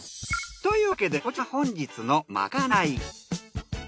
というわけでこちらが本日のまかない。